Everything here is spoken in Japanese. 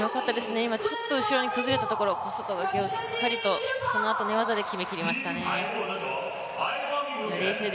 今、ちょっと後ろに崩れたところを小外掛をしっかりと、そのあと寝技で決めきりましたね。